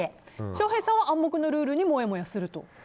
翔平さんは暗黙のルールにもやもやすると？